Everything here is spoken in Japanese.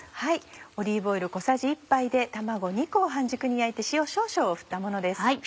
オリーブオイル小さじ１杯で卵２個を半熟に焼いて塩少々を振ったものです。